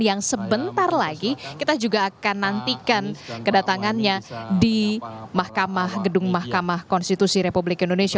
yang sebentar lagi kita juga akan nantikan kedatangannya di mahkamah gedung mahkamah konstitusi republik indonesia